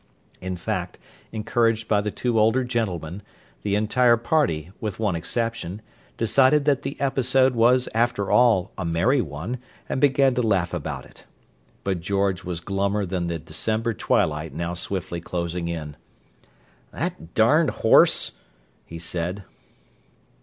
In fact, encouraged by the two older gentlemen, the entire party, with one exception, decided that the episode was after all a merry one, and began to laugh about it. But George was glummer than the December twilight now swiftly closing in. "That darned horse!" he said.